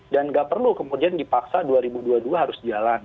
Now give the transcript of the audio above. dan nggak perlu kemudian dipaksa dua ribu dua puluh dua harus jalan